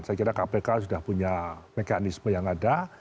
saya kira kpk sudah punya mekanisme yang ada